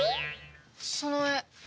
その絵。